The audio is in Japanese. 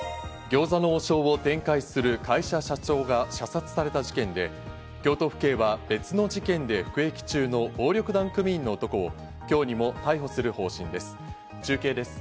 餃子の王将を展開する会社社長が射殺された事件で、京都府警は別の事件で服役中の暴力団組員の男を今日にも逮捕する方針です。